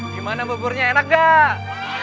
gimana mbak mburnya enak gak